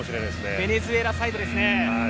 ベネズエラサイドですね。